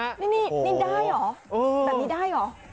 นี่นิ่งได้เหรอแบบนี้ได้เหรอ